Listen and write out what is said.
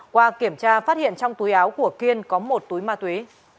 qua kiểm tra phát hiện trong túi áo của kiên có một túi ma túy